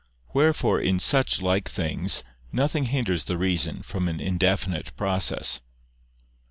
Wherefore in such like things nothing hinders the reason from an indefinite process.